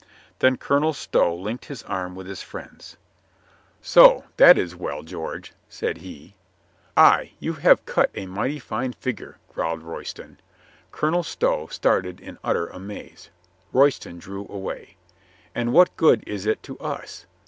Then Colonel Stow linked his arm with his friend's. "So that is well, George," said he. "WHY COME YE NOT TO COURT?" 137 "Ay, you have cut a mighty fine figure," growled Royston. Colonel Stow started in utter amaze. Royston drew away. "And what good is it to us?